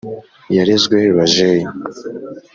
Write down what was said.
”yarezwe bajeyi“.